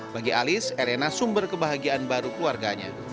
bagi alice elena sumber kebahagiaan baru keluarganya